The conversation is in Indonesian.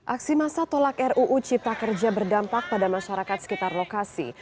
aksi masa tolak ruu cipta kerja berdampak pada masyarakat sekitar lokasi